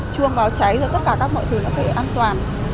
chuông báo cháy rồi tất cả các mọi thứ là phải an toàn